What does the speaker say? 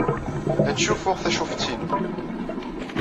La ttcuffuɣ tacifuft-inu.